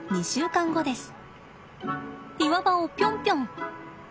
岩場をピョンピョン。